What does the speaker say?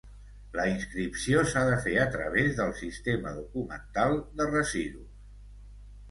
La inscripció s'ha de fer a través del Sistema Documental de Residus.